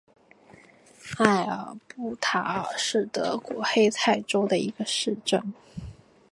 埃尔布塔尔是德国黑森州的一个市镇。